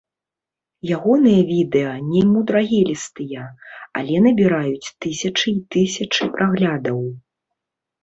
Ягоныя відэа немудрагелістыя, але набіраюць тысячы і тысячы праглядаў.